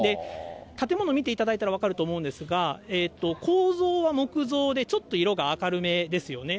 建物見ていただいたら分かると思うんですが、構造は木造で、ちょっと色が明るめですよね。